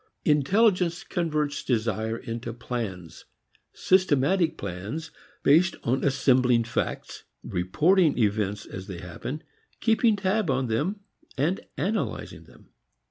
Intelligence converts desire into plans, systematic plans based on assembling facts, reporting events as they happen, keeping tab on them and analyzing them.